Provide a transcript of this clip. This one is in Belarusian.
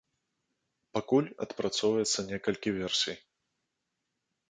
Пакуль адпрацоўваецца некалькі версій.